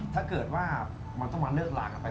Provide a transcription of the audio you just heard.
ถ้าเกิดว่ามันต้องมาเลิกลากันไป